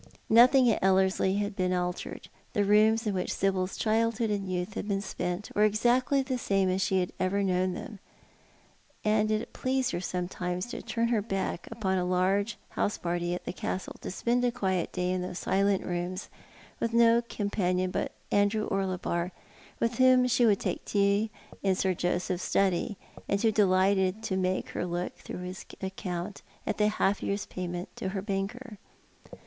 Nothing at Ellerslie had been altered. The rooms in which Sibyl's childhood and youth had Ky!U spent were exactly as she had known tb.em then ; and it ]ileased her sometimes to turn her Ivick iipon a large house party at the Castle to spend a quiet day in those silent rooms, with no companion but Andrew Orlebar, with whom she would tike tea in Sir Joseyih's study, and who delighted to make lier look through his account of the half year's payments to her banker.